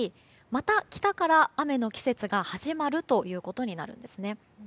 また北から雨の季節が始まるということになるんですね。